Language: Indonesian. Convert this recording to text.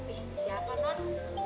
ih siapa non